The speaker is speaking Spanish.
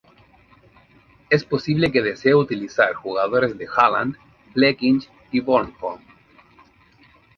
Es posible que desee utilizar jugadores de Halland, Blekinge y Bornholm.